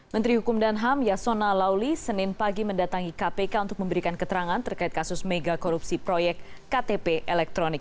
menteri hukum dan ham yasona lauli senin pagi mendatangi kpk untuk memberikan keterangan terkait kasus mega korupsi proyek ktp elektronik